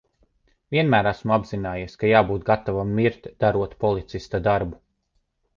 Vienmēr esmu apzinājies, ka jābūt gatavam mirt, darot policista darbu.